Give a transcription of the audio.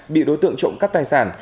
bị đối tượng trộm cắp tài sản